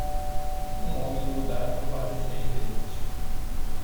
Um homem mudado vale cem vezes.